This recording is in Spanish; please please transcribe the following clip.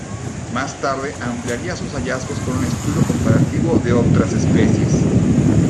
Más tarde ampliaría sus hallazgos con un estudio comparativo de otras especies.